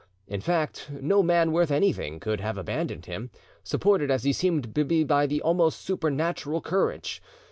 In fact, no man worth anything could have abandoned him, supported as he seemed to be by almost supernatural courage.